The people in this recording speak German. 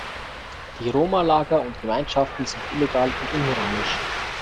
Die Roma-Lager und -Gemeinschaften sind illegal und unmoralisch.